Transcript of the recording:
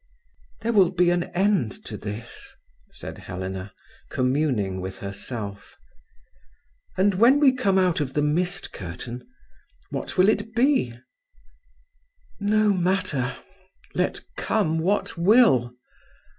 "There will be an end to this," said Helena, communing with herself. "And when we come out of the mist curtain, what will it be? No matter—let come what will.